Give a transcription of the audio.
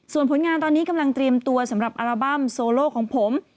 ส่วนผลงานตอนนี้กำลังเตรียมตัวสำหรับอัลบั้มโซโลของผม